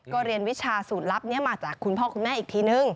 ก็เรียนวิชาสูตรลับนี้มาจากคุณพ่อคุณแม่อีกทีนึง